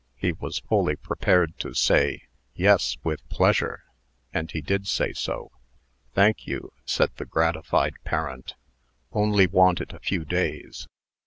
He was fully prepared to say, "Yes, with pleasure," and he did say so. "Thank you," said the gratified parent. "Only want it a few days." Mr.